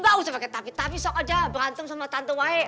gak usah pake tapi tapi sok aja berantem sama tante wahe